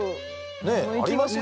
ねえ？ありますか？